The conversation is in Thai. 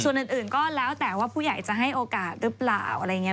ส่วนอื่นก็แล้วแต่ว่าผู้ใหญ่จะให้โอกาสหรือเปล่า